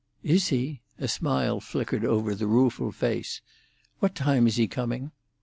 "Is he?" A smile flickered over the rueful face. "What time is he coming?"